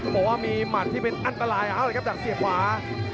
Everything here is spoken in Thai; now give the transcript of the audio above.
บอกว่ามีหมัดที่เป็นอันตรายอ้าวเดินเสียบขวา